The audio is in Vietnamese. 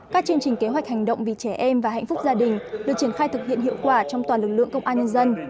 các chương trình kế hoạch hành động vì trẻ em và hạnh phúc gia đình được triển khai thực hiện hiệu quả trong toàn lực lượng công an nhân dân